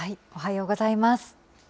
おはようございます。